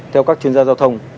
theo các chuyên gia giao thông